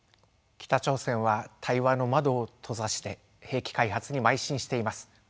北朝鮮は対話の窓を閉ざして兵器開発にまい進しています。